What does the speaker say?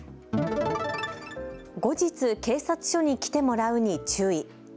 後日、警察署に来てもらうに注意。